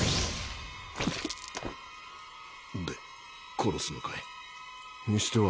殺すのかい？にしては。